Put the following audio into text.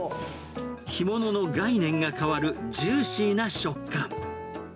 干物の概念が変わるジューシーな食感。